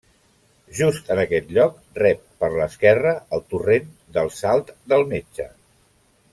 Just en aquest lloc rep per l'esquerra el torrent del Salt del Metge.